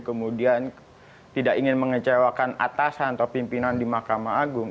kemudian tidak ingin mengecewakan atasan atau pimpinan di mahkamah agung